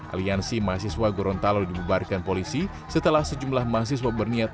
aliansi mahasiswa gorontalo dibubarkan polisi setelah sejumlah mahasiswa berniat